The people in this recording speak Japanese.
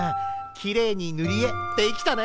きれいにぬりえできたね！